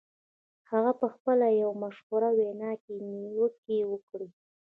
هغه په خپله یوه مشهوره وینا کې نیوکې وکړې